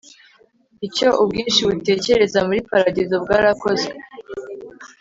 Icyo ubwinshi butekereza muri paradizo bwarakozwe